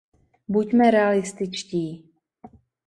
Buďme realističtí!